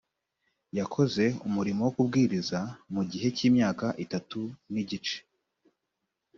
yakoze umurimo wo kubwiriza mu gihe cy’imyaka itatu n’igice